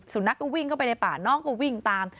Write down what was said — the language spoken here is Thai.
สุนัขก็วิ่งเข้าไปในป่าน้องก็วิ่งตาม